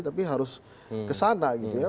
tapi harus kesana gitu ya